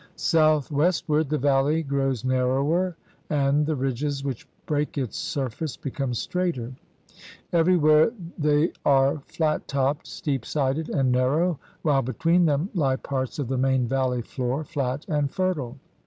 South westward the valley grows narrower, and the ridges which break its surface become straighter. Everywhere they are flat topped, steep sided, and narrow, while between them lie parts of the main valley floor, flat and fertile.